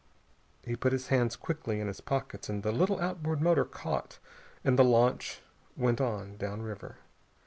He put his hands quickly in his pockets as the little outboard motor caught and the launch went on down river.